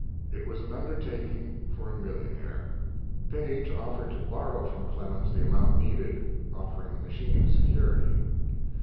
It was an undertaking for a millionaire. Paige offered to borrow from Clemens the amount needed, offering the machine as security.